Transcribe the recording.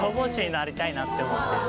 なりたいなって思ってる。